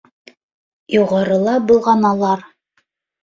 Юғарыла болғаналар.